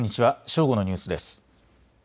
正午のニュースです。